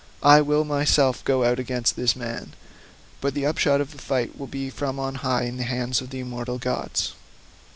I will myself go out against this man, but the upshot of the fight will be from on high in the hands of the immortal gods."